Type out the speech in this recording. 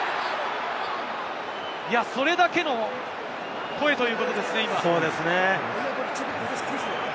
それだけの声ということですね。